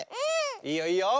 いいよいいよ。